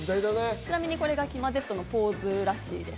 ちなみにこれが「きまＺ」のポーズだそうです。